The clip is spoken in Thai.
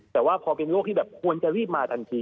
แต่ว่าพอเป็นโรคที่แบบควรจะรีบมาทันที